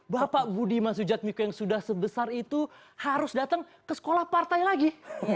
bapak budiman sujatmiko yang sudah sebesar itu harus datang ke sekolah partai lagi